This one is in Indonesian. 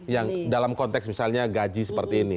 yang dalam konteks misalnya gaji seperti ini